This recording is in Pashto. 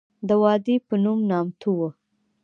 د وادي پنوم نامتو وه.